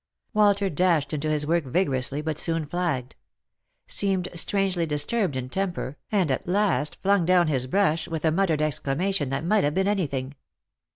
Walter dashed into his work vigorously, but soon flagged ; seemed strangely disturbed in temper, and at last flung down his brush with a muttered exclamation that might have been anything.